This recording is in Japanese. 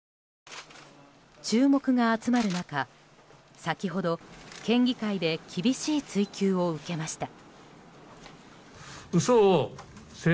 注目が集まる中、先ほど県議会で厳しい追及を受けました。